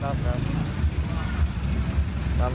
ครับครับครับ